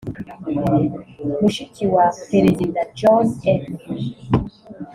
mushiki wa Perezida John F